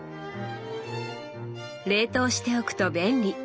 冷凍しておくと便利！